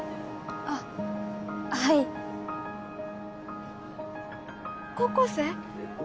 あっはい高校生？